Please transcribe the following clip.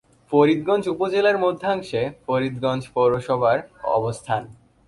ফরিদগঞ্জ উপজেলার মধ্যাংশে ফরিদগঞ্জ পৌরসভার অবস্থান।